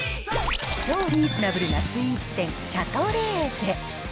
超リーズナブルなスイーツ店、シャトレーゼ。